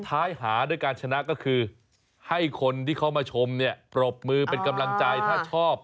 ท้ายหาด้วยการชนะก็คือให้คนที่เขามาชมเนี่ยปรบมือเป็นกำลังใจถ้าชอบ